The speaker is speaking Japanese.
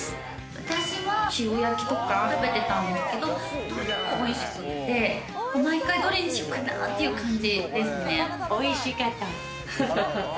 私は塩焼きとか食べてたんですけど、おいしくって毎回どれにしようかなっていう感じですね。